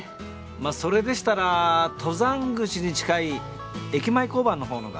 まっそれでしたら登山口に近い駅前交番のほうのが。